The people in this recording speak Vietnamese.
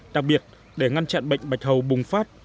đặc biệt để ngăn chặn bệnh bạch hầu bùng phát